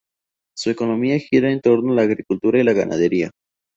Su economía gira en torno a la agricultura y la ganadería.